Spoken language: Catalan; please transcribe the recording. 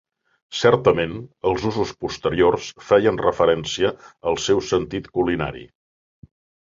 Certament, els usos posteriors feien referència al seu sentit culinari.